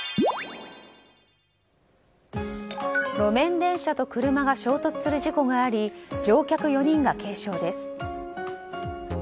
路面電車と車が衝突する事故があり乗客４人が軽傷です。